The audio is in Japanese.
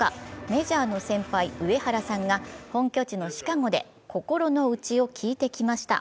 メジャーの先輩・上原さんが本拠地のシカゴで心のうちを聞いてきました。